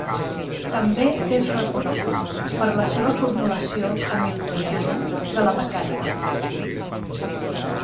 També és reconegut per la seva formulació hamiltoniana de la mecànica.